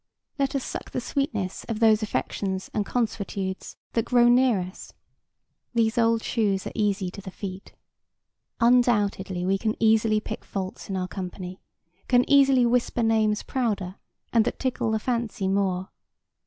Let us suck the sweetness of those affections and consuetudes that grow near us. These old shoes are easy to the feet. Undoubtedly we can easily pick faults in our company, can easily whisper names prouder, and that tickle the fancy more.